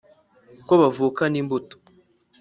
ko bavukana imbuto